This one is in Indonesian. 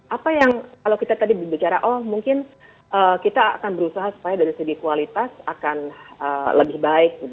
apa yang kalau kita tadi bicara oh mungkin kita akan berusaha supaya dari segi kualitas akan lebih baik